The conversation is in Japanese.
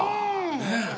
ねえ。